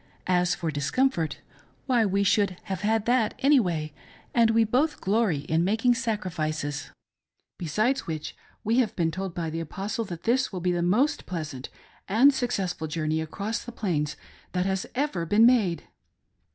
As for discomfort, why we should have had that any way, and we both glory in making sacriiices. Besides which, we have been told by the Apostle that this will be the most pleasant and successful journey across the plains that has ever been made."